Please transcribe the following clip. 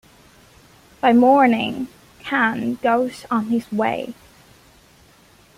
By morning, Kham goes on his way.